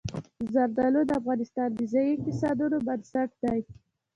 زردالو د افغانستان د ځایي اقتصادونو بنسټ دی.